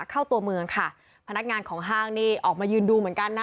เข้าตัวเมืองค่ะพนักงานของห้างนี่ออกมายืนดูเหมือนกันนะ